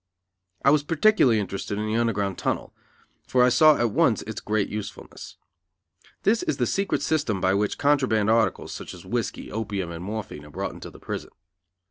I was particularly interested in the Underground Tunnel, for I saw at once its great usefulness. This is the secret system by which contraband articles, such as whiskey, opium and morphine are brought into the prison.